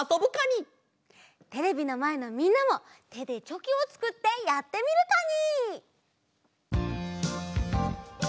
テレビのまえのみんなもてでチョキをつくってやってみるカニ！